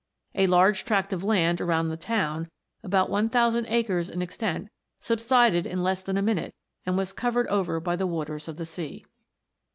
A large tract of land around the town, about 1000 acres in extent, subsided in less than a minute, and was covered over by the waters of the sea.